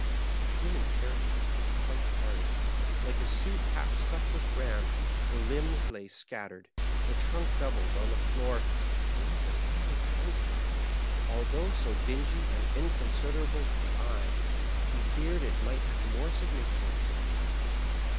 The human character had quite departed. Like a suit half staffed with bran, the limbs lay scattered, the trunk doubled, on the floor ; and yet the thing repelled him. Although so dingy and inconsiderable to the eye, he ' feared it might have more significance to the touch.